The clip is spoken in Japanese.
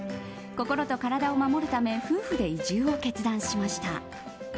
心と体を守るため夫婦で移住を決断しました。